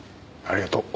ありがとう。